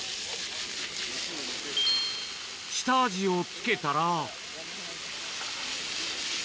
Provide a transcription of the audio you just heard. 下味をつけたら。